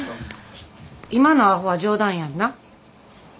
今のアホは冗談やんな？